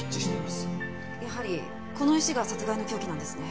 やはりこの石が殺害の凶器なんですね。